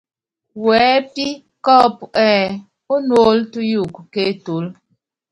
Wɛ́pí kɔ́ɔ́pú ɛ́ɛ: Ónuóló túyuukɔ ké etúlú.